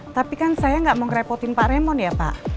tapi kan saya nggak mau ngerepotin pak remon ya pak